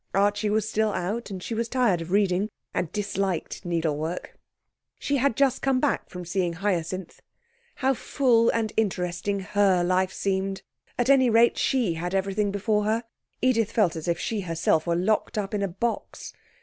Archie was still out, and she was tired of reading, and disliked needlework. She had just come back from seeing Hyacinth. How full and interesting her life seemed! At any rate, she had everything before her. Edith felt as if she herself were locked up in a box.